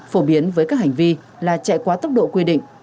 phổ biến với các hành vi là chạy quá tốc độ quy định